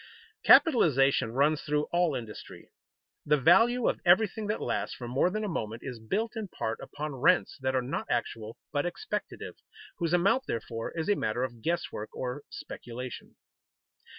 _ Capitalization runs through all industry. The value of everything that lasts for more than a moment is built in part upon rents that are not actual, but expectative, whose amount, therefore, is a matter of guesswork, or "speculation."